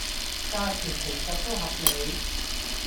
價錢其實都合理